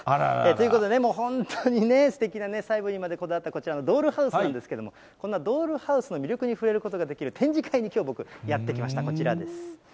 ということで、本当にね、すてきな細部にまでこだわったこちらのドールハウスなんですけれども、こんなドールハウスの魅力に触れることができる展示会にきょうは僕、やって来ました、こちらです。